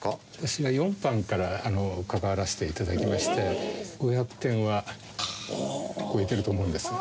私が四版から関わらせて頂きまして５００点は超えてると思うんです。